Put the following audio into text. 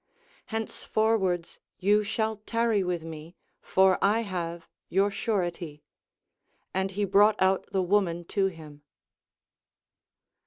Henceforwards you shall tarry Avith me, for I have your surety. And he brought out the woman to him.